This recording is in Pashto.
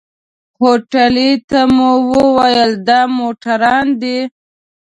هوټلي ته مو وويل دا موټروان دی.